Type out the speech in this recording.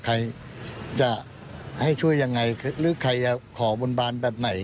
ใครจะให้ช่วยยังไงหรือใครจะขอบนบานแบบไหน